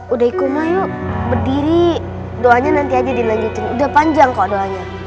udah ikut maju berdiri doanya nanti aja di lanjutin udah panjang kok doanya